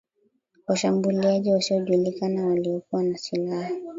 Washambuliaji wasiojulikana waliokuwa na silaha